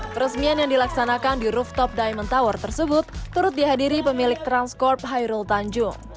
peresmian yang dilaksanakan di rooftop diamond tower tersebut turut dihadiri pemilik transkorp hairul tanjung